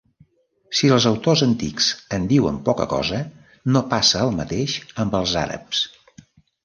Si els autors antics en diuen poca cosa, no passa el mateix amb els àrabs.